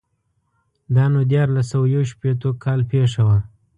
دا نو دیارلس سوه یو شپېتو کال پېښه وه.